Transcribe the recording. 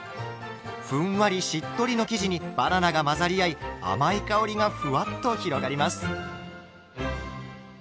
ふんわりしっとりの生地にバナナが混ざり合い甘い香りがふわっと広がります。